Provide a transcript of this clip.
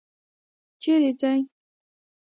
چیرې څې؟